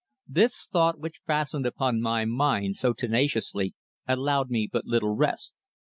This thought which fastened upon my mind so tenaciously allowed me but little rest.